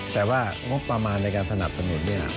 แต่ว่างบประมาณในการสนับสนุนเนี่ย